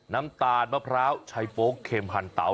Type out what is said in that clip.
น้ำตาลมะพร้าวไชโปเค็มหันเตา